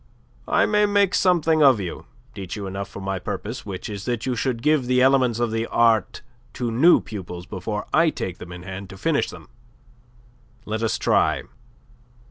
I may make something of you, teach you enough for my purpose, which is that you should give the elements of the art to new pupils before I take them in hand to finish them. Let us try.